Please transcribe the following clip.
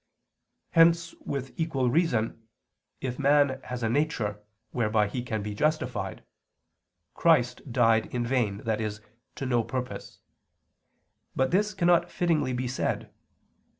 Hence with equal reason, if man has a nature, whereby he can he justified, "Christ died in vain," i.e. to no purpose. But this cannot fittingly be said.